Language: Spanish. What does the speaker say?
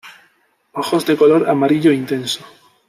Ojos de color amarillo intenso.